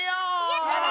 やったね！